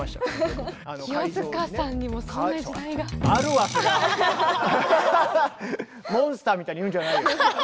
まさにそういうモンスターみたいに言うんじゃないよ！